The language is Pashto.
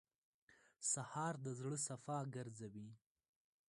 سهار د زړه صفا ګرځوي.